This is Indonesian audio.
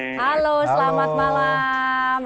halo selamat malam